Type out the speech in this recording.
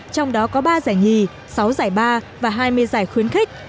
trong đó có ba giải nhì sáu giải ba và hai mươi giải khuyến khích